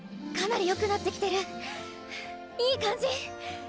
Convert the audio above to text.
⁉かなり良くなってきてるいい感じ！